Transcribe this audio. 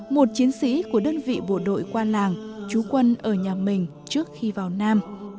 một chiến sĩ của đơn vị bộ đội qua làng chú quân ở nhà mình trước khi vào nam